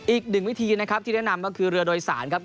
อีกหนึ่งวิธีนะครับที่แนะนำก็คือเรือโดยสารครับ